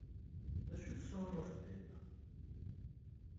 D acu i la tesnunuceḍ dinna?